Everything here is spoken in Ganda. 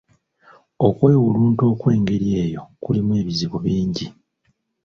Okwewulunta okwengeri eyo kulimu ebizibu bingi.